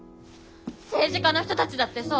政治家の人たちだってそう！